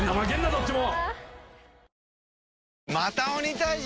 どっちも。